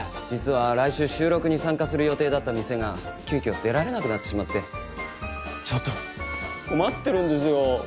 実は来週収録に参加する予定だった店が急きょ出られなくなってしまってちょっと困ってるんですよ。